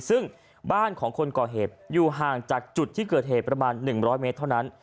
ซึ่งบ้านของคนก่อเหตุอยู่ห่างจากจุดที่เกิดเหตุประมาณ๑๐๐เมตรเท่านั้น